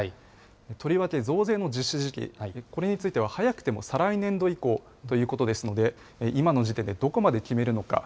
とりわけ増税の実施時期、これについては早くても再来年度以降ということですので、今の時点でどこまで決めるのか。